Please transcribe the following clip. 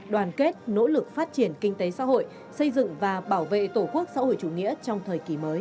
đoàn kết nỗ lực phát triển kinh tế xã hội xây dựng và bảo vệ tổ quốc xã hội chủ nghĩa trong thời kỳ mới